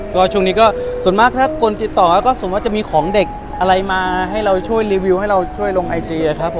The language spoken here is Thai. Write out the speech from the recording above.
ก็ช่วงนี้ก็ส่วนมากถ้าคนติดต่อก็ส่วนว่าจะมีของเด็กอะไรมาให้เราช่วยรีวิวให้เราช่วยลงไอจีครับผม